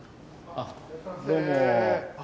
あどうも。